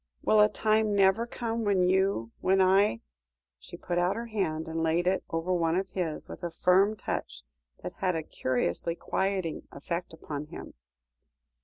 Will a time never come when you when I " She put out her hand and laid it over one of his, with a firm touch that had a curiously quieting effect upon him.